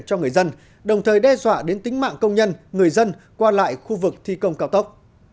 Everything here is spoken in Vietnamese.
cho người dân đồng thời đe dọa đến tính mạng công nhân người dân qua lại khu vực thi công cao tốc